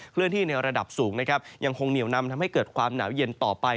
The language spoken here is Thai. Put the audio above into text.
เลื่อนที่ในระดับสูงนะครับยังคงเหนียวนำทำให้เกิดความหนาวเย็นต่อไป